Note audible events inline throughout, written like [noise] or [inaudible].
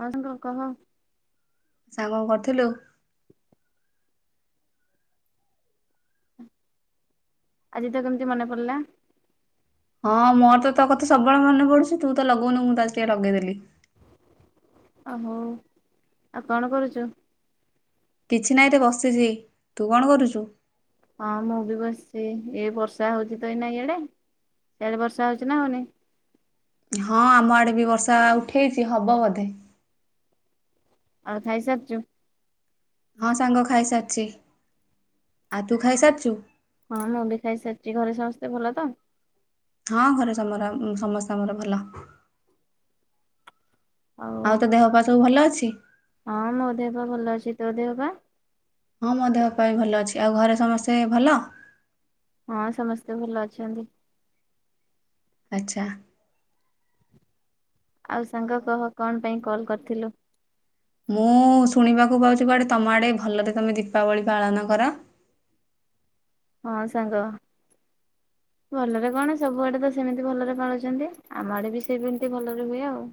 ହଁ ସାଙ୍ଗ କହ। ସାଙ୍ଗ କଣ କରିଥିଲୁ। ଆଜି ତ କେମିତି ମନେ ପଡିଲା ହଁ ମୋର ତୋ କଥା ସବୁବେଳେ ମନେ ପଡୁଚି ତୁ ତ ଲଗଉନୁ ମୁଁ ତ ଟିକେ ଲଗେଇଦେଲି। ଅ ହଉ ଆଉ କଣ କରୁଚୁ। କିଛି ନାହିଁ ଏ ତ ବସିଚି ତୁ କଣ କରୁଚୁ। ହଁ ମୁଁ ବି ବସିଚି ଏ ବର୍ଷା ହୋଉଚି ତ ଏଇ ନା ଇଆଡ଼େ ସିଆଡ଼େ ବର୍ଷା ହଉଚି ନା ହଉନି। ହଁ ଆମ ଆଡେ ବି ବର୍ଷା ଉଠେଇଚି ହବ ବୋଧେ। ଆଉ ଖାଇସାରିଚୁ। ହଁ ସାଙ୍ଗ ଖାଇସାରିଚି ଆଉ ତୁ ଖାଇସାରିଚୁ। ହଁ ମୁଁ ବି ଖାଇସାରିଚି ଘରେ ସମସ୍ତେ ଭଲ ତ। ହଁ ଘରେ ସମର ସମସ୍ତଙ୍କର ଭଲ। ଆଉ ତୋ ଦେହ ପା ସବୁ ଭଲ ଅଛି। ହଁ ମୋ ଦେହ ପା ଭଲ ଅଛି ତୋ ଦେହ ପା ହଁ ମୋ ଦେହ ପାଆବି ଭଲ ଅଛି ଆଉ ଘରେ ସମସ୍ତେ ଭଲ। ହଁ ସମସ୍ତେ ଭଲ ଅଛନ୍ତି। ଆଚ୍ଛା। ଆଉ ସାଙ୍ଗ କହ କଣ ପାଇଁ କଲ୍ କରିଥିଲୁ। ମୁଁ ଶୁଣିବାକୁ ପାଉଚି କୁଆଡେ ତମ ଆଡେ ଭଲରେ ତମେ ଦୀପାବଳି ପାଳନ କର। ହଁ ସାଙ୍ଗ। ଭଲରେ କଣ ସବୁଆଡ଼େ ତ ସେମିତି ଭଲରେ ପାଳୁଚନ୍ତି ଆମ ଆଡ଼େ ବି ସେମିତି ଭଲରେ ହୁଏ ଆଉ।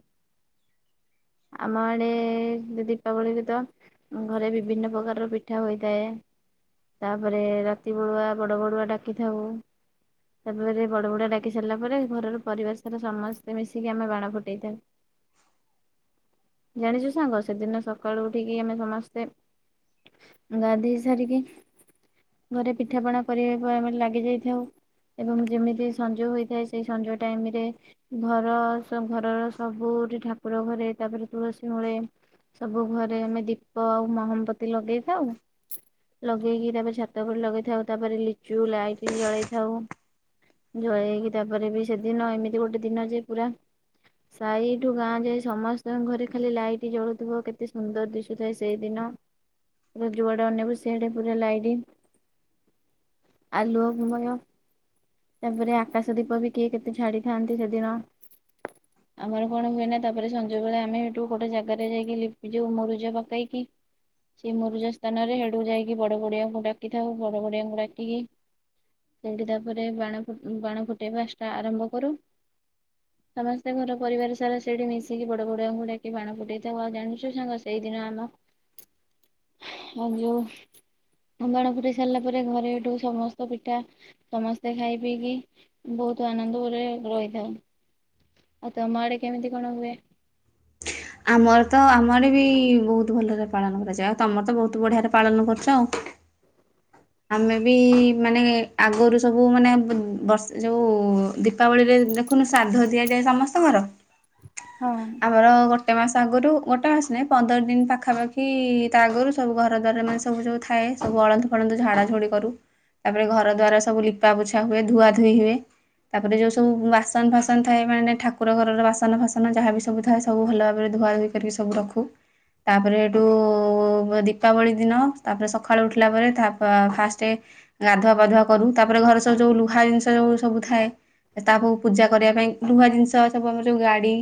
ଆମ ଆଡେ ଦୀପାବଳିରେ ତ ଘରେ ବିଭିନ୍ନ ପ୍ରକାରର ପିଠା ହୋଇଥାଏ ତାପରେ ରାତି ବେଳୁଆ ବଡ଼ ବଡ଼ୁଆ ଡାକିଥାଉ। ତାପରେ ବଡ ବଡୁଆ ଡାକି ସାରିଲା ପରେ ଘରର ପରିବେସରେ ସାରା ସମସ୍ତେ ମିଶିକି ଆମେ ବାଣ ଫୁଟେଇଥାଉ। ଜାଣିଚୁ ସାଙ୍ଗ ସେଦିନ ସକାଳୁ ଉଠିକି ଆମେ ସମସ୍ତେ ଗାଧେଇ ସାରିକି ଘରେ ପିଠାପଣା କରିବା କୁ ଆମେ ଲାଗି ଯାଇଥାଉ। ଏବଂ ଯେମିତି ସଞ୍ଜ ହୋଇଥାଏ ସେଇ ସଞ୍ଜ ଟାଇମ ରେ ଘର ଘରର ସବୁଠି ଠାକୁର ଘରେ ତାପରେ ତୁଳସୀ ମୂଳେ ସବୁ ଘରେ ଆମେ ଦୀପ ଆଉ ମହମବତୀ ଲଗେଇ ଥାଉ। ଲଗେଇକି ତାପରେ ଛାତ ତ ଉପରେ ଲଗେଇଥାଉ, ତାପରେ ଲିଚୁ ଲାଇଟ୍ ଜଳେଇ ଥାଉ। ଜଳେଇକି ତାପରେ ବି ସେଦିନ ଏମିତି ଗୋଟେ ଦିନ ଯେ ପୁରା ସାଇଠୁ ଗାଁ ଯାଏ ସମସ୍ତଙ୍କ ଘରେ ଖାଲି ଲାଇଟ୍ ଜଳୁଥିବ। କେତେ ସୁନ୍ଦର ଦିଶ ଥାଏ ସେଇ ଦିନ ପୁର ଯୁଆଡେ ଅନେଇବୁ ସେଆଡେ ପୁରା ଲାଇଟି। ଆଲୁଅମୟ। ତାପରେ ଆକାଶ ଦୀପ ବି କିଏ କେତେ ଛାଡିଥାନ୍ତି ସେଦିନ। ଆମର କଣ ହୁଏ ନା ତାପରେ ସଞ୍ଜ ବେଳେ ଆମେ ହେଠୁ ଗୋଟେ ଜାଗାରେ ଯାଇକି ଲିପି ଯଉ ମରୁଜ ପକେଇକି ସେ ମରୁଜ ସ୍ଥାନରେ ହେଇଠୁ ଯାଇକି ବଡ ବଡିଆଙ୍କୁ ଡାକିଥାଉ। ବଡ ବଡିଆଙ୍କୁ ଡାକିକି ସେଇଠି ତାପରେ ବାଣ ବାଣ ଫୁଟେଇବା ଷ୍ଟା ଆରମ୍ଭ କରୁ। ସମସ୍ତେ ଘର ପରିବାର ସାରା ସେଇଠି ମିଶିକି ବଡ ବଡଆଙ୍କୁ ଡାକି ବାଣ ଫୁଟେଇଥାଉ। ଆଉ ଜାଣିଛୁ ସାଙ୍ଗ ସେଇଦିନ ଆମ ଆଉ ଯୋଉ ବାଣ ଫୁଟାଇ ସାରିଲା ପରେ ଘରେ ଏଠୁ ସମସ୍ତ ପିଠା ସମସ୍ତେ ଖାଇ ପିଇକି ବହୁତ ଆନନ୍ଦ ରେ ରହିଥାଉ। ଆଉ ତମ କେମିତି କଣ ହୁଏ? ଆମର ତ ଆମର ବି ବହୁତ ଭଲରେ ପାଳନ କରାଯାଏ। ଆଉ ତୁମର ତ ବହୁତ ବଢ଼ିଆରେ ପାଳନ କରୁଛ ଆଉ। ଆମେ ବି ମାନେ ଆଗରୁ ସବୁ ମାନେ ବ ବର୍ଷ ଯୋଉ ଦୀପାବଳିରେ ଦେ ଖୁନୁ ଶ୍ରାଦ୍ଧ ଦିଆଯାଏ ସମସ୍ତଙ୍କର। ହଁ। ଆମର ଗୋଟେ ମାସ ଆଗରୁ ଗୋଟେ ମାସ ନାହିଁ ପନ୍ଦର ଦିନ ପାଖାପାଖି ତା ଆଗରୁ ସବୁ ଘର ଦ୍ୱାର ମାନେ ସବୁ ଯୋଉ ଥାଏ ସବୁ ଅଳନ୍ଦୁ ଫଳନ୍ଦୁ ଝାଡା ଝୋଡି କରୁ ତାପରେ ଘର ଦ୍ଵାର ସବୁ ଲିପା ପୋଛା ହୁଏ ଧୁଆ ଧୁଇ ହୁଏ। ତାପରେ ଯୋଉ ସବୁ ବାସନ ଫାସନ ଥାଏ ମାନେ ଠାକୁର ଘରର ବାସନ ଫାସନ ଯାହାବି ସବୁଥାଏ ସବୁ ଭଲ ଭାବରେ ଧୁଆ ଧୁଇ କରିକି ସବୁ ରଖୁ। ତାପରେ ଏଠୁ ଦୀପାବଳି ଦିନ ତାପରେ ସକାଳୁ ଉଠିଲା ପରେ ତା ଫାଷ୍ଟ ଗାଧୁଆ ପାଧୁଆ କରୁ। ତାପରେ ଘରେ ସବୁ ଯୋଉ ଲୁହା ଜିନିଷ ଯୋଉ ସବୁ ଥାଏ। ତାକୁ ପୂଜା କରିବା ପାଇଁ ଲୁହା ଜିନିଷ ସବୁ ଆମର ଯୋଉ ଗାଡି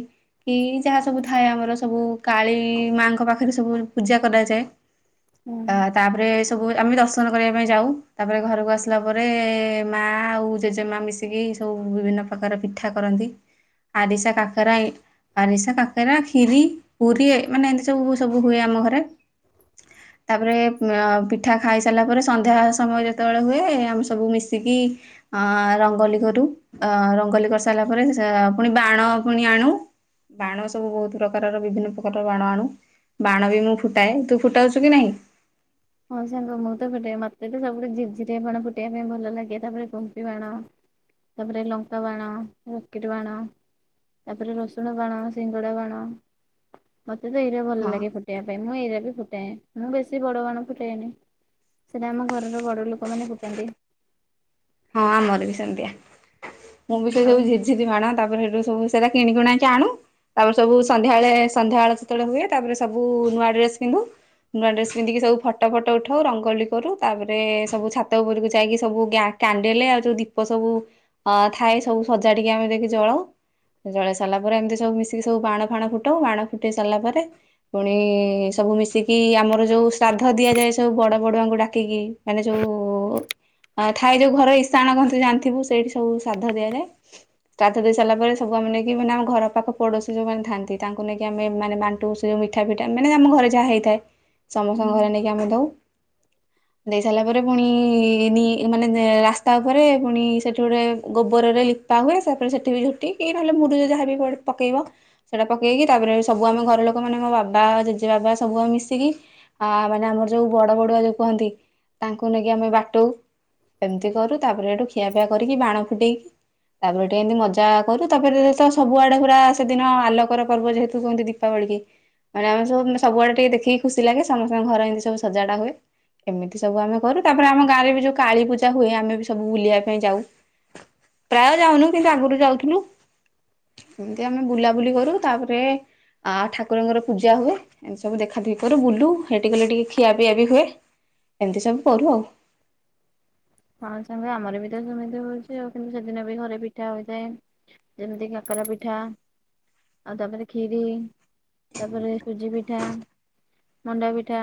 କି ଯାହା ସବୁ ଥାଏ ଆମର ସବୁ କାଳୀ ମାଙ୍କ ପାଖରେ ସବୁ ପୂଜା କରାଯାଏ। ହୁଁ। ଅ ତାପରେ ସବୁ ଆମେ ଦଶ ସନ କରିବା ପାଇଁ ଯାଉ। ତାପରେ ଘରକୁ ଆସିଲା ପରେ ମା ଆଉ ଜେଜେମା ମିଶିକି ସବୁ ବିଭିନ୍ନ ପ୍ରକାର ପିଠା କରନ୍ତି ଆରିଶା କାକରା ଆରିସା କାକେରା ଖିରୀ ପୁରୀ ମାନେ ଏମିତି ସବୁ ସବୁ ହୁଏ ଆମ ଘରେ। ତାପରେ ପିଠା ଖାଇ ସା ସାରିଲା ପରେ ସନ୍ଧ୍ୟା ସମୟ ଯେତେବେଳେ ହୁଏ ଆମେ ସବୁ ମିଶିକି ଅ ରଙ୍ଗଲି କରୁ ଅ ରଙ୍ଗୋଲି କରିସାରିଲା ପରେ ପୁଣି ବାଣ ପୁଣି ଆଣୁ। ବାଣ ସବୁ ବହୁତ ପ୍ରକାରର ବିଭିନ୍ନ ପ୍ରକାରର ବାଣ ଆଣୁ। ବାଣ ବି ମୁଁ ଫୁଟାଏ ତୁ ଫୁଟାଉଛୁ କି ନାହିଁ। ହଁ ସାଙ୍ଗ ମୁଁ ତ ଫୁଟାଏ ମତେ ତ ସବୁଠୁ ଝିରିଝିରିଆ ବାଣ ଫୁଟେଇବା ପାଇଁ ଭଲ ଲାଗେ ତାପରେ କୁମ୍ପି ବାଣ ତାପରେ ଲଙ୍କା ବାଣ ରକିଟ ବାଣ। ତାପରେ ରସୁଣ ବାଣ ସିଙ୍ଗଡା ବାଣ। ମତେ ତ ଏଇରା ଭଲ ହଁ ଲାଗେ ଫୁଟେଇବା ପାଇଁ ମୁଁ ଏଇରା ବି ଫୁଟାଏ ମୁଁ ବେଶୀ ବଡ ବାଣ ଫୁ ଟେଏନି ସେଟା ଆମ ଘରର ବଡ ଲୋକମାନେ ଫୁଟାନ୍ତି। ହଁ ଆମର ବି ସେମିତିଆ ମୁଁ ବି ସେ ଆଉ ସବୁ ଝିର୍ ଝିରଝୀର ବାଣ ତାପରେ ସେଠୁ ସବୁ ସେରା କିଣିକୁଣା କି ଆଣୁ ତାପରେ ସବୁ ହୁଁ ସନ୍ଧ୍ୟାବେଳେ ସନ୍ଧ୍ୟା ବେଳ ସେତେବେଳେ ହୁଏ ତାପରେ ସବୁ ନୂଆ ଡ୍ରେସ ପିନ୍ଧୁ। ନୂଆ ଡ୍ରେସ ପିନ୍ଧିକି ସବୁ ଫଟୋ ଫଟୋ ଉଠାଉ ରଙ୍ଗୋଲି କରୁ ତାପରେ ସବୁ ଛାତ ଉପରକୁ ଯାଇକି ସବୁ କ୍ୟା କାଣ୍ଡଲେ ଆଉ ଯୋଉ ଦୀପ ସବୁ ଅ ଥାଏ ସବୁ ସଜାଡିକି ଆମେ ଦେଖି ଜଳଉ। ଜଳେଇ ସାରିଲା ପରେ ଏମିତି ସବୁ ମିଶିକି ସବୁ ବାଣ ଫାଣ ଫୁଟାଉ ବାଣ ଫୁଟେଇ ସାରିଲା ପରେ ପୁଣି ସବୁ ମିଶିକି ଆମର ଯୋଉ ଶ୍ରାଦ୍ଧ ଦିଆଯାଏ ସବୁ ବଡ ବଡୁଆଙ୍କୁ ଡାକିକି ମାନେ ଯଉଁ ଥାଏ ଯେଉଁ ଘର ଇଶାଣ କହନ୍ତି ଜାଣିଥିବୁ ସେଇଠି ସବୁ ଶ୍ରଦ୍ଧ ଦିଆଯାଏ। [unintelligible] ଦେଇ ସାରିଲା ପରେ ସବୁ ଆମେ ମାନେ ଆମ ଘର ପାଖ ପଡୋଶୀ ଯୋଉମାନେ ଥାନ୍ତି ତାଙ୍କୁ ନେଇକି ଆମେ ମାନେ ସେ ମିଠା ପିଠା ମାନେ ଆମ ଘରେ ଯାହା ହେଇଥାଏ। ସମସ୍ତଙ୍କ ଘରେ ନେଇକି ଆମେ ଦଉ ଦେଇ ସାରିଲା ପରେ ପୁଣି ନି ମାନେ ରାସ୍ତା ଉପରେ ପୁଣି ସେଠି ଗୋଟେ ଗୋବରରେ ଲିପା ହୁଏ ତା ପରେ ସେଇଠି ବି ଝୁଟି ଏଇ ନହେଲେ ମୁରୁଜ ଯାହାବି ପକେଇବ। ସେଇଟା ପକେଇକି ତାପରେ ସବୁ ଆମେ ଘର ଲୋକମାନେ ଆମ ବାବା ଜେଜେ ବାବା ସବୁ ଆମେ ମିଶିକି ଆ ମାନେ ଆମର ଯୋଉ ବଡ ବଡୁଆ ଯୋଉ କୁହନ୍ତି ତାଙ୍କୁ ନେଇକି ଆମେ ବାଟଉଁ। ଏମିତି କରୁ ତାପରେ ଏଠୁ ଖିଆପିଆ କରିକି ବାଣ ଫୁଟେଇକି ତାପରେ ଟିକେ ଏମିତି ମଜା କରୁ ତାପରେ ତ ସବୁଆଡେ ପୁରା ସେଦିନ ଆଲୋକର ପର୍ବ ଯେହେତୁ [unintelligible] ଦୀପାବଳିକି ମାନେ ଆମେ ସୁବୁଆଡେ ଟିକେ ଦେଖିକି ଖୁସି ଲାଗେ ସମସ୍ତଙ୍କ ଘର ଏମିତିବୁ ସଜଡା ହୁଏ। ଏମିତି ସବୁ ଆମେ କରୁ ତାପରେ ଆମ ଗାଁରେ ବି ଯଉ ପୂଜା ହୁଏ ଆମେ ବି ସବୁ ବୁଲିବା ପାଇଁ ଯାଉ। ପ୍ରାୟ ଯାଉନୁ କିନ୍ତୁ ଆଗରୁ ଯାଉଥିଲୁ। ଏମିତି ଆମେ ବୁଲାବୁଲି କରୁ ତାପରେ ଆ ଠାକୁରଙ୍କର ପୂଜା ହୁଏ। ଏମିତି ସବୁ ଦେଖାଦଖି କରୁ ବୁଲୁ ହେଇଠି କଲେ ଟିକେ ଖିଆପିଆ ବି ହୁଏ ଏମିତି ସବୁ କରୁ ଆଉ। ହଁ ସାଙ୍ଗେ ଆମର ବି ତ ସେମିତି ହଉଛି ଆଉ କିନ୍ତୁ ସେଦିନ ବି ଘରେ ପିଠା ହୋଇଥାଏ। ଯେମିତି କାକରା ପିଠା ଆଉ ତାପରେ କ୍ଷୀରି ତାପରେ ସୁଜି ପିଠା। ମଣ୍ଡା ପିଠା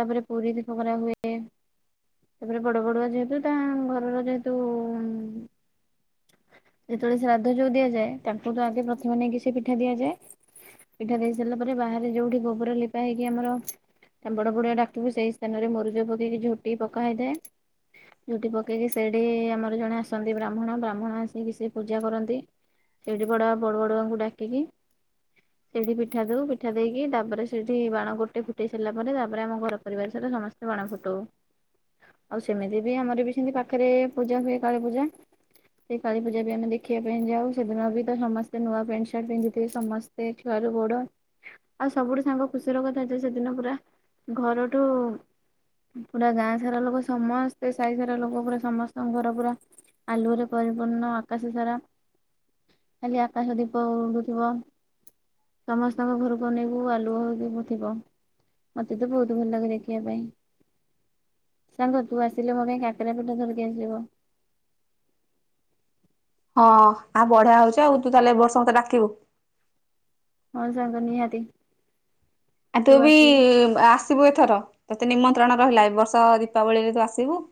ତାପରେ ପୁରୀ ବି କରା ହୁଏ। ତାପରେ ବଡ଼ ବଡ଼ୁଆ ଯେହେତୁ ତା ଘରର ଯେହେତୁ ଉଁ ଯେତେବେଳେ ଶ୍ରାଦ୍ଧ ଯୋଉ ଦିଆଯଏ ତାକୁ ତ ଆଗେ ପ୍ରଥମେ ନେଇକି ସେ ପିଠା ଦିଆଯାଏ। ପିଠା ଦେଇ ସାରିଲା ପରେ ବାହାରେ ଯୋଉଠି ଗୋବର ଲିପା ହେଇକି ଆମର ତା ବଡ ବଡଆ ଡାକ୍ତରକୁ ସେଇ ସ୍ଥାନରେ ମରୁଜ ପକେଇକି ଝୋଟିି ପକା ହେଇଥାଏ। ଝୋଟି ପକେଇକି ସେଠି ଆମର ଜଣେ ଆସନ୍ତି ବ୍ରାହ୍ମଣ ବ୍ରାହ୍ମଣ ଆସିକି ସେ ପୂଜା କରନ୍ତି। ସେଠି ବଡା ବଡ଼ ବଡ଼ୁଆଙ୍କୁ ଡାକିକି ହଁ ସେଇଠି ପିଠା ଦଉ ପିଠା ଦେଇକି ତାପରେ ସେଇଠି ବାଣ ଗୋଟେ ଫୁଟେଇ ସାରିଲା ପରେ ତାପରେ ଆମ ଘର ପରିବାର ସାରା ସମସ୍ତେ ବାଣ ଫୁଟଉ ଆଉ ସେମିତି ବି ଆମର ବି ସେମତି ପାଖରେ ପୂଜା ହୁଏ କାଳୀ ପୂଜା ସେଇ କାଳି ପୂଜା ବି ଆମେ ଦେଖିବା ପାଇଁ ଯାଉ ସେଦିନ ବି ତ ସମସ୍ତେ ନୂଆ ପ୍ୟାଣ୍ଟ ସାର୍ଟ ପିନ୍ଧିଥିବେ ସମସ୍ତେ ସେ [unintelligible] ବୋଡ ଆଉ ସବୁଠୁ ସାଙ୍ଗ ଖୁସିର କଥା ଯେ ଅଛି ସେଦିନ ପୁରା ଘରଠୁ ପୁରା ଗାଁ ସାରା ଲୋକ ସମସ୍ତେ ସାହି ସାରା ଲୋକ ପୁରା ସମସ୍ତଙ୍କ ଘର ପୁରା ଆଲୁଅରେ ପରିପୂର୍ଣ୍ଣ ଆକାଶ ସାରା ଖାଲି ଆକାଶ ଦିପ ଉଡୁଥିବ। ସମସ୍ତଙ୍କ ଘରକୁ ଅନେଇବୁ ଆଲୁଅ [unintelligible] ମତେ ତ ବହୁତ ଭଲ ଲାଗେ ଦେଖିବା ପାଇଁ। ସାଙ୍ଗ ତୁ ଆସିଲେ ମୋ ପାଇଁ କାକେରା ପିଠା ଧରିକି ଆସିବୁ। ହଁ ଆ ବଢିଆ ହଉଚି ଆଉ ତୁ ତାଏଲେ ବର୍ଷ ମତେ ଡାକିବୁ। ହଁ ସାଙ୍ଗ ନିହାତି। ଆ ତୁ ବି ଆସ ସିବୁ ଏଥର ତତେ ନିମନ୍ତ୍ରଣ ରହିଲା ଏ ବର୍ଷ ଦୀପାବଳିରେ ତୁ ଆସିବୁ।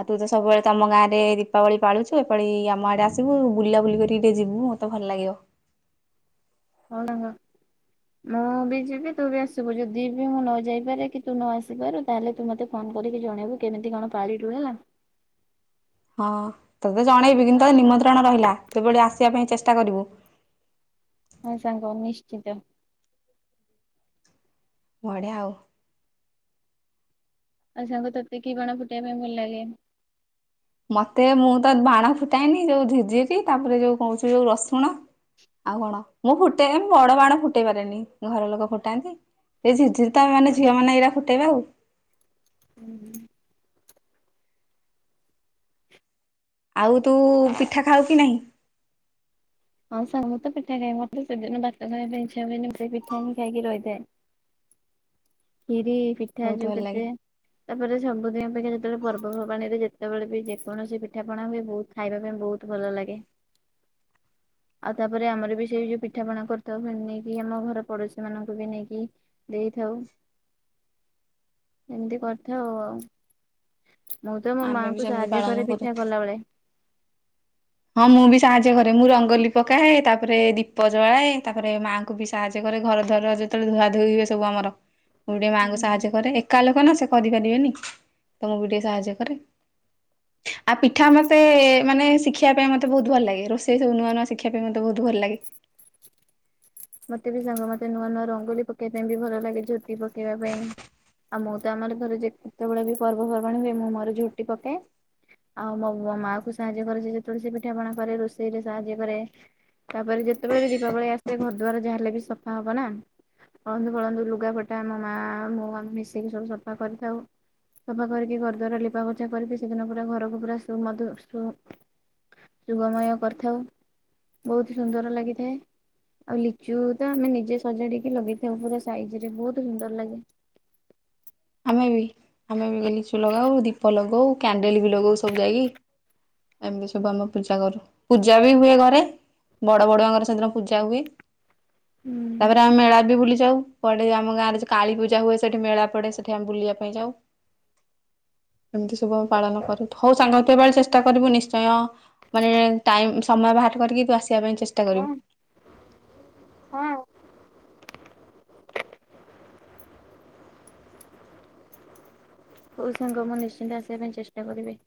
ଆଉ ତୁ ତ ସବୁବେଳେ ତମ ଗାଁରେ ଦୀପାବଳି ପାଳୁଚୁ ଏ ପାଳି ଆମ ଆଡେ ଆସିବୁ ବୁଲାବୁଲି କରିକି ଟିକେ ଯିବୁ। ତ ଭଲ ଲାଗିବ। ହଁ ତାଙ୍କ ମୁଁ ବି ଯିବି ତୁ ବି ଆସିବୁ ଯଦି ବି ମୁଁ ନ ଯାଇପାରେ କି ତୁ ନଆସିପାରୁ ତାହେଲେ ତୁ ମୋତେ ଫୋନ କରିକି ଜଣେଇବୁ କେମିତି କଣ ପାଳିଲୁ ହେଲା। ହଁ ତୋତେ ଜଣେଇବି କିନ୍ତୁ ତତେ ନିମନ୍ତ୍ରଣ ରହିଲା କିଭଳି ଆସିବା ପାଇଁ ଚେଷ୍ଟା କରିବୁ। ହଁ ସାଙ୍ଗ ନିଶ୍ଚିତ। ବଢିଆ ଆଉ। ଆଉ ସାଙ୍ଗ ତତେ କି ବାଣ ଫୁଟେଇବା ପାଇଁ ଭଲ ଲାଗେ? ମତେ ମୁଁ ତ ବାଣ ଫୁଟାଇନି ଯୋଉ ଝିରିଝିରି ତାପରେ ଯୋଉ କହୁଚି ଯୋଉ ରସୁଣ ଆଉ କଣ ମୁଁ ଫୁଟେ ବଡ ବାଣ ଫୁଟେଇ ପାରେନି ଘର ଲୋକ ଫୁଟାନ୍ତି। ଏଇ ଝିରିଝିରି ତ ମାନେ ଝିଅ ମାନେ ଏଇଟା ଫୁଟେଇବେ ଆଉ। ହୁଁ। ଆଉ ତୁ ପିଠା ଖାଉ କି ନାହିଁ? ହଁ ସାଙ୍ଗ ମୁଁ ତ ପିଠା ଖାଏ ମତେ ସେଦିନ ଭାତ ଖାଇବା ପାଇଁ ଇଚ୍ଛା ହୁଏନି ମୁ ସେଇ ପିଠା ହିଁ ଖାଇକି ରହିଥାଏ। ବିରି ପିଠା ବହୁତ ଯୋଉ ଭଲ ଲାଗେ କେତେ ତାପରେ ସବୁଦିନ ଅପେକ୍ଷା ଯେତେବେଳେ ପର୍ବପର୍ବାଣିରେ ଯେତେବେଳେ ବି ଯେକୌଣସି ପିଠାପଣା ହୁଏ ବହୁତ ଖାଇବା ପାଇଁ ବହୁତ ଭଲ ଲାଗେ। ଆଉ ତାପରେ ଆମର ବି ସେଇ ଯୋଉ ପିଠାପଣା କରିଥାଉ ସେ ନେଇକି ଆମ ଘର ପଡୋଶୀ ମାନଙ୍କୁ ବି ନେଇକି ଦେଇଥାଉ। ଏମିତି କରିଥାଉ ଆଉ ଆଉ ମୁଁ ତ ମୋ ଆମେ ବି ମାଆଙ୍କୁ ସେମିତି ସାହାଯ୍ୟ ପାଳନ କରେ କରୁ ପିଠା କଲାବେଳେ। ହଁ ମୁଁ ବି ସାହାଯ୍ୟ ଘରେ ମୁଁ ରଙ୍ଗୋଲି ପକାଏ ତାପରେ ଦୀପ ଜଳାଏ ତାପରେ ମା ବି ସାହାଯ୍ୟ କରେ ଘର ଦ୍ୱାର ଯେତେବେଳେ ଧୁଆ ଧୋଇ ହୁଏ ସବୁ ଆମର ମୁଁ ଟିକେ ହୁଁ। ମାଆଙ୍କୁ ସାହାଯ୍ୟ କରେ ଏ କା ଲୋକ ନା ସେ କରିପାରିବେନି ତ ମୁଁ ବି ଟିକେ ସାହାଯ୍ୟ କରେ। ଆଉ ପିଠା ମତେ ମାନେ ଶିଖି ଖିଆପିଆ ମତେ ବହୁ ଭଲ ଲାଗେ ରୋଷେଇ ସବୁ ନୂଆ ନୂଆ ଶିଖିବା ପାଇଁ ମତେ ବହୁତ ଭଲଲାଗେ। ମତେ ବି ସାଙ୍ଗ ମତେ ନୂଆ ନୂଆ ରଙ୍ଗୋଲି ପକେଇବା ପାଇଁ ବି ଭଲ ଲାଗେ ଝୋଟି ପକେଇବା ପାଇଁ ଆଉ ମୁଁ ତ ଆମର ଘରେ ଯେ ଯେତେବେଳେ ବି ପର୍ବପର୍ବାଣି ହୁଏ ମୁଁ ମୋର ଝୋଟି ପକାଏ। ଆଉ ମୋ ମୋ ମାଆ କୁ ସାହାଯ୍ୟ କରେ ସେ ଯେତେବେଳେ ସେ ପିଠାପଣା କରେ ରୋଷେଇରେ ସାହାଯ୍ୟ କରେ ତାପରେ ଯେତେବେଳେ ବି ଦୀପାବଳି ଆସିଥାଏ ଘର ଦ୍ୱାର ଯାଆହେଲେ ବି ସଫା ହବ ନା ଅଳନ୍ଧୁ ଫଳନ୍ଧୁ ଲୁଗାପଟା ମୋ ମାଆ ମୁଁ ଆମେ ମିଶିକି ସବୁ ସଫା କରିଥାଉ। ସଫା କରିକି ଘର ଦ୍ୱାର ଲିପାପୋଛା କରିକି ସେଦିନ ପୁରା ଘରକୁ ପୁରା ସୁମଧୁ ସୁ ଶୁଭମୟ କରିଥାଉ ବହୁତ ସୁନ୍ଦର ଲାଗିଥାଏ। ଆଉ ଲିଚୁ ତ ଆମେ ନିଜେ ସଜାଡିକି ଲଗେଇଥାଉ ପୁରା ସାଇଜ ରେ ବହୁତ ସୁନ୍ଦର ଲାଗେ। ଆମେ ବି ଆମେ ବି ଗ ଲିଚୁ ଲଗାଉ ଦୀପ ଲଗଉ କ୍ୟାଣ୍ଡେଲ ବି ଲଗଉ ସବୁ ଯାଇକି। ଏମିତି ସବୁ ଆମ ପୂଜା କରୁ ପୂଜା ବି ହୁଏ ଘରେ। ବଡ଼ ବଡୁଆଙ୍କର ସେଦିନ ପୂଜା ହୁଏ। ହୁଁ। ତାପରେ ଆମେ ମେଳା ବି ବୁଲି ଯାଉ ପଡେ ଆମ ଗାଁରେ ଯଉ କାଳୀ ପୂଜା ହୁଏ ସେଠି ମେଳା ପଡେ ସେଠି ସେ ଠି ଆମେ ବୁଲିବା ପାଇଁ ଯାଉ। ଏମିତି ସବୁ ଆମେ ପାଳନ କରୁୁ ଥା ହଉ ସାଙ୍ଗ ତୁ ଏ ପାଳି ଚେଷ୍ଟା କରିବୁ ନିଶ୍ଚୟ। ମାନେ ଟାଇମ ସମୟ ବାହାର କରିକି ତୁ ଆସିବା ପାଇଁ ଚେଷ୍ଟା ହଁ କରିବୁ। ହଁ। ହଉ ସାଙ୍ଗ ମୁଁ ନିଶ୍ଚିନ୍ତ ଆସିବା ପାଇଁ ଚେଷ୍ଟା କରିବି।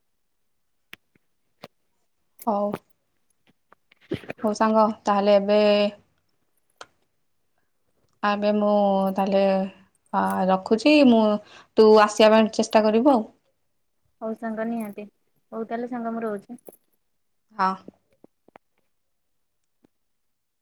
ହଉ ହଉ ସାଙ୍ଗ ତାହେଲେ ଏବେ ଆବେ ମୁଁ ତାହେଲେ ହଁ ରଖୁଚି ମୁଁ ତୁ ଆସିବା ପାଇଁ ଚେଷ୍ଟା କରିବୁ ଆଉ। ହଉ ସାଙ୍ଗ ନିହାତି ହଉ ତାହେଲେ ସାଙ୍ଗ ମୁଁ ରହୁଚି। ହଁ।